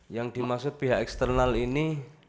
yang dimaksud pihak eksternal ini